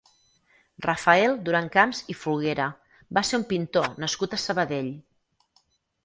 Rafael Durancamps i Folguera va ser un pintor nascut a Sabadell.